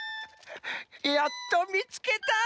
やっとみつけた！